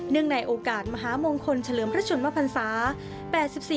เนื่องในโอกาสมหาโมงคลเฉลิมพระชนวภัณฑ์ศาสตร์